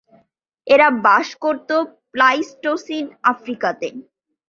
এরা বাস করত প্লাইস্টোসিন আফ্রিকাতে।